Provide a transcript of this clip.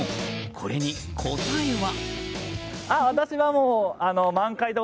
これに答えは。